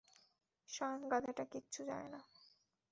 শ্রাঙ্ক গাধাটা কিচ্ছু জানে না।